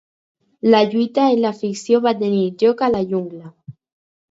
La lluita en la ficció va tenir lloc a la jungla.